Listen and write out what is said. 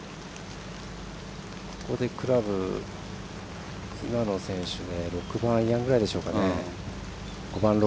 クラブ、今野選手で６番アイアンぐらいでしょうか。